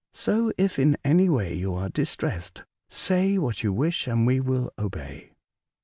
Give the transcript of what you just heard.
So, if in any way you are distressed, say what you wish, and we will obey."